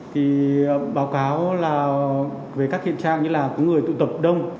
thì báo cáo là về các hiện trạng như là người tụ tập đông